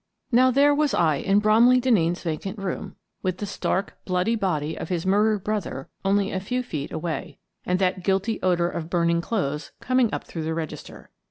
Now there was I in Bromley Denneen's vacant room, with the stark, bloody body of his murdered brother only a few feet away, and that guilty odour of burning clothes coming up through the register.